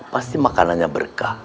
pasti makanannya berkah